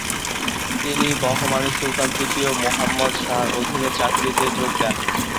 তিনি বাহমানি সুলতান তৃতীয় মুহাম্মদ শাহর অধীনে চাকরিতে যোগ দেন।